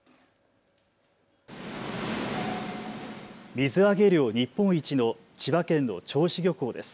水揚げ量日本一の千葉県の銚子漁港です。